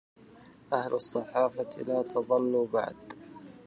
أهل الصحافة لا تضلوا بعده